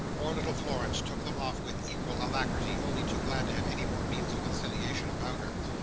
Poor little Florence took them off with equal alacrity, only too glad to have any more means of conciliation about her.